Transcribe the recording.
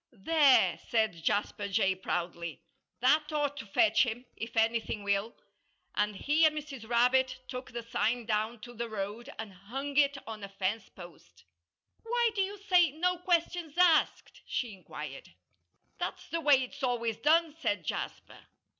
"There!" said Jasper Jay, proudly. "That ought to fetch him, if anything will." And he and Mrs. Rabbit took the sign down to the road and hung it on a fence post. "Why do you say 'No questions asked'?" she inquired. "That's the way it's always done," said Jasper.